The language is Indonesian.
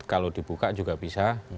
kalau dibuka juga bisa